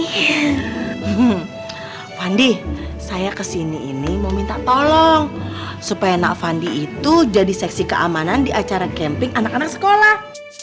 hmm fandi saya kesini ini mau minta tolong supaya nak fandi itu jadi seksi keamanan di acara camping anak anak sekolah